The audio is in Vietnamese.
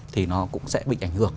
thì nó cũng sẽ bị ảnh hưởng